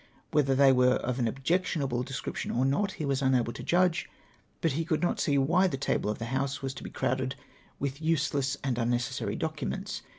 Whether they were of an objectionable de scription or not he was unable to judge ; but he c(juld not see why the table of the House was to be crowded with useless and unnecessary documents.